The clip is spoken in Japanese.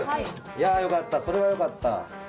いやよかったそれはよかった。